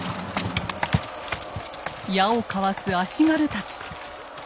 矢をかわす足軽たち。